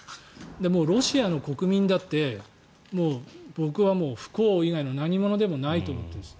もうロシアの国民だって僕は不幸以外の何物でもないと思っているんです。